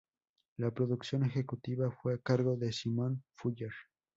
La producción ejecutiva fue a cargo de Simon Fuller.